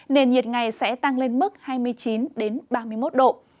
nền nhiệt ngày sẽ tăng lên mức hai mươi chín ba mươi một độ